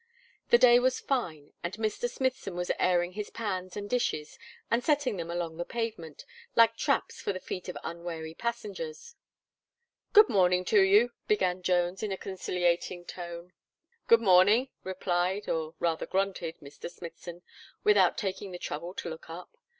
The day was fine, and Mr. Smithson was airing his pans and dishes, and setting them along the pavement, like traps for the feet of unwary passengers. "Good morning to you," began Jones, in a conciliating tone. "Good morning!" replied, or rather, grunted Mr. Smithson, without taking the trouble to look up.